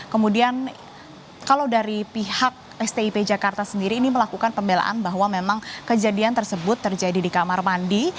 kemudian kalau dari pihak stip jakarta sendiri ini melakukan pembelaan bahwa memang kejadian tersebut terjadi di kamar mandi